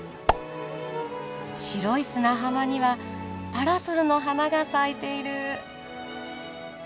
白い砂浜にはパラソルの花が咲いている。